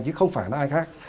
chứ không phải là ai khác